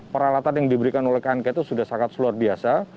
peralatan yang diberikan oleh knk itu sudah sangat luar biasa